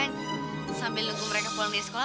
pen sambil nunggu mereka pulang dari sekolah